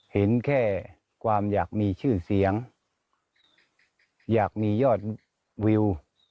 เห็นแค่ความอยากมีชื่อเสียงอยากมียอดวิว